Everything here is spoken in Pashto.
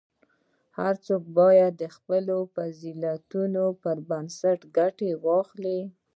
هر څوک باید د خپلو فضیلتونو پر بنسټ ګټه واخلي.